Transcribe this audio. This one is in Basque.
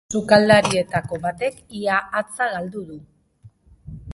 Sukaldarietako batek ia hatza galdu du.